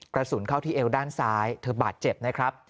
กระสุนเข้าที่เอวด้านซ้ายเธอบาดเจ็บนะครับ